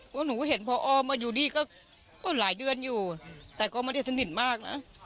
ว่าหนูเห็นพอมาอยู่นี่ก็หลายเดือนอยู่แต่ก็ไม่ได้สนิทมากนะ